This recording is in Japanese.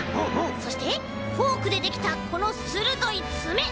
そしてフォークでできたこのするどいつめ。